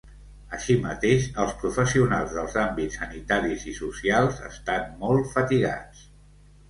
Així mateix, els professionals dels àmbits sanitaris i socials estan molt fatigats.